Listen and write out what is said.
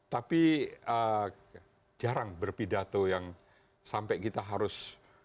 tapi jarang berpidato yang sampai kita harus